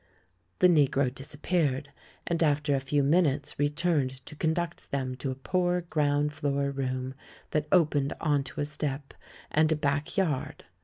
The negro disappeared, and after a few min utes returned to conduct them to a poor, ground floor room that opened on to a stoep and a back yard.